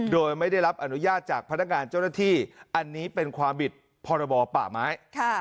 โดยไม่ได้รับอนุญาตจากพนักงานเจ้าหน้าที่อันนี้เป็นความผิดพรบป่าไม้